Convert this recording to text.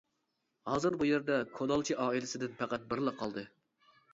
ھازىر بۇ يەردە كۇلالچى ئائىلىسىدىن پەقەت بىرىلا قالدى.